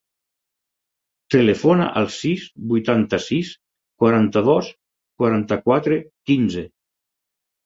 Telefona al sis, vuitanta-sis, quaranta-dos, quaranta-quatre, quinze.